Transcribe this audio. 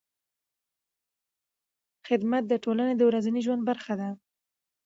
خدمت د ټولنې د ورځني ژوند برخه ده.